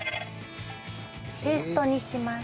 ペーストにします。